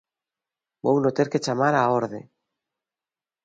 Vouno ter que chamar á orde.